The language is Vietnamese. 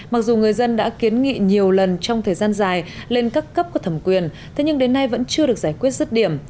mặc dù người dân đã kiến nghị nhiều lần trong thời gian dài lên các cấp của thẩm quyền thế nhưng đến nay vẫn chưa được giải quyết rứt điểm